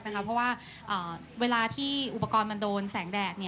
เพราะว่าเวลาที่อุปกรณ์มันโดนแสงแดด